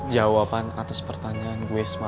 jawaban kata sepertanyaan gue semalam